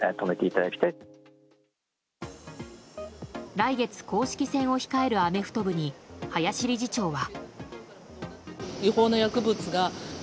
来月、公式戦を控えるアメフト部に林理事長は。